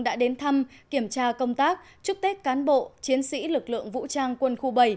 đã đến thăm kiểm tra công tác chúc tết cán bộ chiến sĩ lực lượng vũ trang quân khu bảy